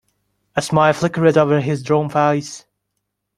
A smile flickered over his drawn face.